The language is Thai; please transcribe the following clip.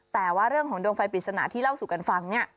แต่ว่าเรื่องของดวงไฟปริศนาที่เล่าสู่กันฟังเนี่ย